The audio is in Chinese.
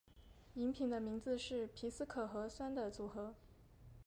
饮品的名字是皮斯可和酸的组合。